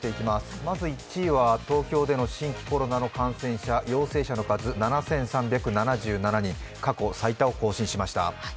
まず１位は東京での新規コロナの感染者、７３７７人、過去最多を更新しました。